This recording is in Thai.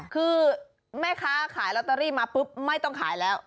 คือแม่ค้าขายลอตเตอรี่มาปุ๊บไม่ต้องขายแล้ว